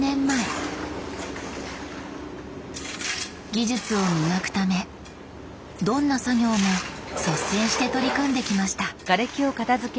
技術を磨くためどんな作業も率先して取り組んできました。